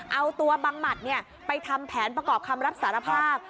เอาตัวบังหมัดไปทำแผนประกอบคำรับสารภาพ